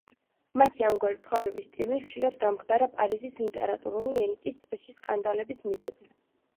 მათი ამგვარი ცხოვრების სტილი ხშირად გამხდარა პარიზის ლიტერატურული ელიტის წრეში სკანდალების მიზეზი.